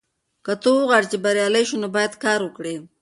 که ته غواړې چې بریالی شې نو باید کار وکړې.